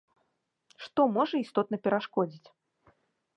Што можа істотна перашкодзіць?